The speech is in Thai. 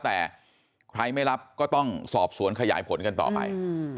แต่ใครไม่รับก็ต้องสอบสวนขยายผลกันต่อไป